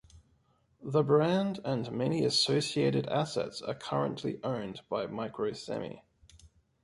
The brand and many associated assets are currently owned by Microsemi.